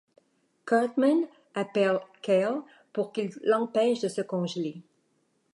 Cartman appelle Kyle pour qu'il l'empêche de se congeler.